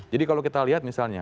jadi kalau kita lihat misalnya